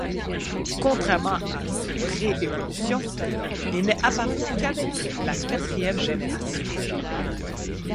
Contrairement à ses pré-évolutions, il n'est apparu qu'avec la quatrième génération.